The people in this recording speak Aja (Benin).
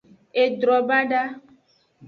Edron bada.